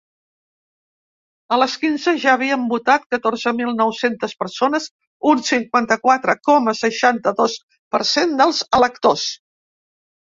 A les quinze ja havien votat catorze mil nou-centes persones, un cinquanta-quatre coma seixanta-dos per cent dels electors.